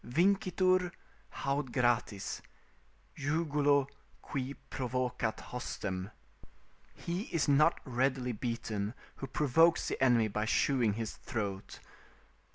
] "Vincitur haud gratis, jugulo qui provocat hostem." ["He is not readily beaten who provokes the enemy by shewing his throat."